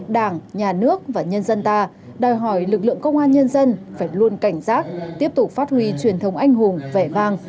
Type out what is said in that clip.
đảng nhà nước và nhân dân ta đòi hỏi lực lượng công an nhân dân phải luôn cảnh giác tiếp tục phát huy truyền thống anh hùng vẻ vang